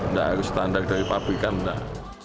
nggak harus standar dari pabrikan nggak